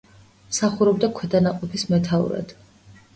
მსახურობდა ქვედანაყოფის მეთაურად.